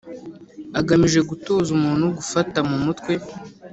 agamije gutoza umuntu gufata mu mutwe